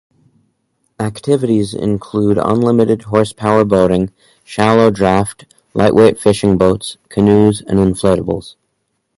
Activities include unlimited-horsepower boating, shallow-draft, lightweight fishing boats, canoes and inflatables.